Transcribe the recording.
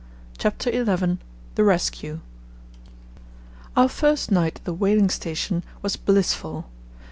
CHAPTER XI THE RESCUE Our first night at the whaling station was blissful.